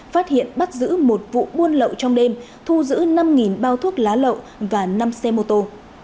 phát hiện bắt giữ một vụ buôn lậu trong đêm thu giữ năm bao thuốc lá lậu và năm xe mô tô